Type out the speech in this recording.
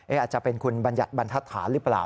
อาจจะเป็นคุณบัญญัติบรรทัศน์หรือเปล่า